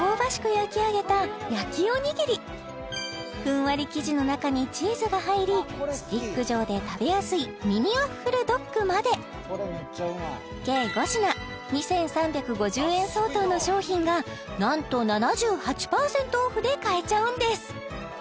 焼き上げたふんわり生地の中にチーズが入りスティック状で食べやすいまで計５品２３５０円相当の商品がなんと７８％オフで買えちゃうんです！